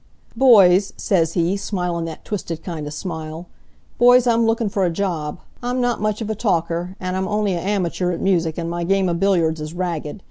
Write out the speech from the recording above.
"'Boys,' says he, smilin' that twisted kind of smile, 'boys, I'm lookin' for a job. I'm not much of a talker, an' I'm only a amateur at music, and my game of billiards is ragged.